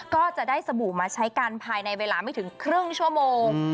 ก็จะได้สบู่มาใช้กันภายในเวลาไม่ถึงครึ่งชั่วโมง